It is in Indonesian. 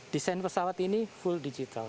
desain pesawat ini full digital